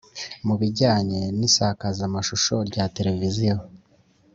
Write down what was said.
mu bijyanye n’isakazamashusho rya televiziyo